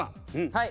はい。